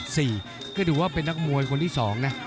ก็ถือว่าเป็นนักมวยคนที่สองนะ